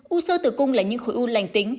u sơ tử cung là những khối u lành tính